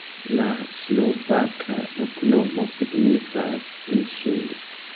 La slovaka loknomo signifas: insulo.